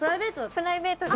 プライベートで。